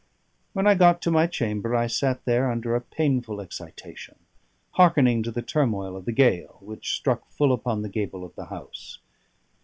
When I got to my chamber, I sat there under a painful excitation, hearkening to the turmoil of the gale, which struck full upon that gable of the house.